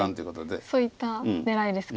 そういった狙いですか。